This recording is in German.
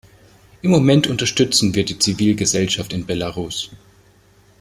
Im Moment unterstützen wir die Zivilgesellschaft in Belarus.